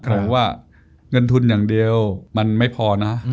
ผมว่าเงินทุนอย่างเดียวมันไม่พอนะ